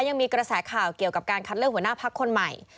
ยังมีกระแสข่าวเกี่ยวกับการคัดเลือกหัวหน้าพักคนใหม่